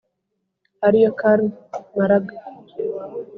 ari yo karma marga,